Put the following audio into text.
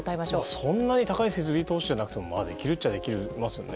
そんなに高い設備投資じゃなくてもできるっちゃできますよね。